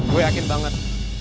gue yakin banget